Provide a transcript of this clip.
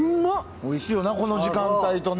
おいしいよな、この時間帯とな。